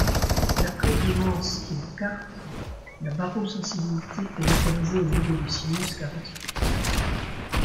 D'après Heymans et Boukaert, la barosensibilité est localisée au niveau du sinus carotidien.